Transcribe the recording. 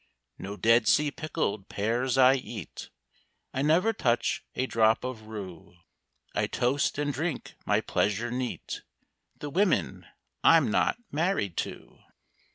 No Dead Sea pickled pears I eat; I never touch a drop of rue; I toast, and drink my pleasure neat, The women I'm not married to!